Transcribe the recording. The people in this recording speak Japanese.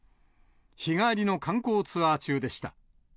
日帰りの観光ツアー中でした。